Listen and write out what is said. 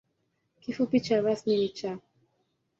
Kifupi rasmi ni ‘Cha’.